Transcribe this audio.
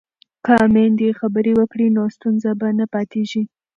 که میندې خبرې وکړي نو ستونزه به نه پاتې کېږي.